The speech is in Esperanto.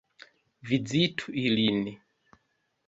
Vizitu ilin!